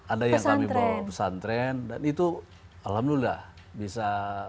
ada yang kami bawa pesantren dan itu alhamdulillah bisa